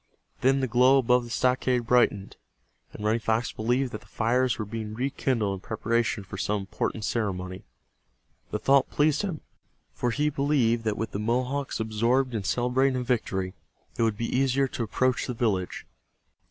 Then the glow above the stockade brightened, and Running Fox believed that the fires were being rekindled in preparation for some important ceremony. The thought pleased him, for he believed that with the Mohawks absorbed in celebrating a victory, it would be easier to approach the village.